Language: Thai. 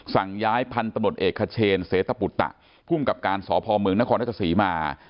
สั่งย้ายพันธุ์ตำรวจเอกขเชนเสตปุตตะภูมิกับการสพเมืองนครราชศรีมา